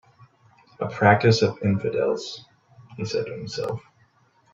"A practice of infidels," he said to himself.